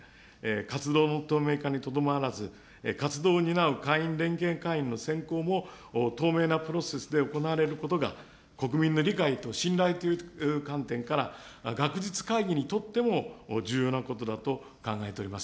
活動の透明化にとどまらず、活動を担う会員れんけい会議の選考も透明なプロセスで行われることが、国民の理解と信頼という観点から、学術会議にとっても重要なことだと考えております。